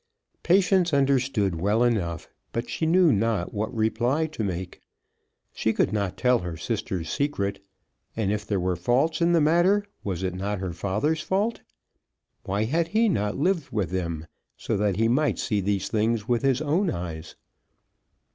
Patience understood well enough, but knew not what reply to make. She could not tell her sister's secret. And if there were faults in the matter, was it not her father's fault? Why had he not lived with them, so that he might see these things with his own eyes?